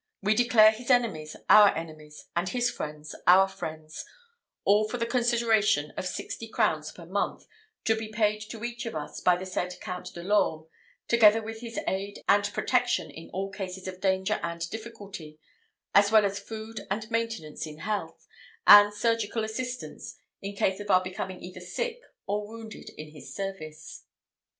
We declare his enemies our enemies, and his friends our friends; all for the consideration of sixty crowns per month, to be paid to each of us by the said Count de l'Orme, together with his aid and protection in all cases of danger and difficulty, as well as food and maintenance in health, and surgical assistance, in case of our becoming either sick or wounded in his service."